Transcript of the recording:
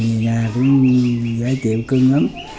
nhiều nhà cũng dễ chịu cưng lắm